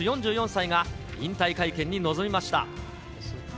４４歳が、引退会見に臨みました。